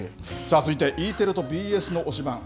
続いて、ＥテレとＢＳの推しバン！